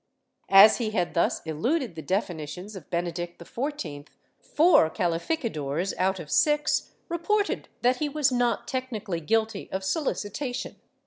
As he had thus eluded the definitions of Benedict XIV, four calificadores out of six reported that he was not techni cally guilty of solicitation.